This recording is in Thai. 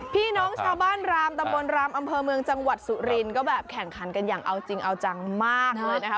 พี่น้องชาวบ้านรามตำบลรามอำเภอเมืองจังหวัดสุรินก็แบบแข่งขันกันอย่างเอาจริงเอาจังมากเลยนะคะ